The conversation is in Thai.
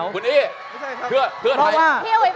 คุณสมบัติแรกคือต้องเสื่อนเรื่องชอบครบผู้ชภาษาเคี่ยว